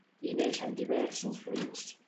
Hi neixen diversos rius.